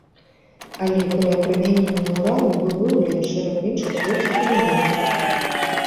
Але пры апрамяненні ўрану быў выяўлен шэраг іншых, лёгкіх элементаў.